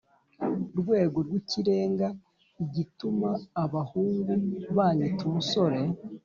Rwego rw’ikirenga; igituma abahungu banyita umusore